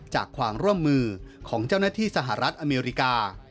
จากความร่วมมือของเจ้าหน้าที่สหรัฐอเมริกา